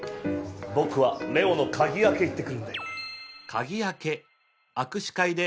僕はれおの鍵開け行ってくるんで・